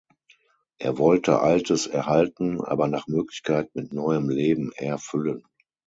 Er wollte Altes erhalten, aber nach Möglichkeit mit neuem Leben erfüllen.